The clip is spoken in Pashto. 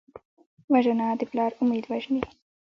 وژنه د پلار امید وژني